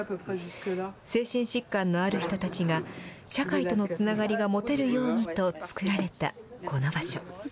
精神疾患のある人たちが、社会とのつながりが持てるようにと作られたこの場所。